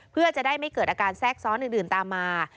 เพื่อจะได้ไม่เกิดอาการแทรกซ้อนอื่นตามมา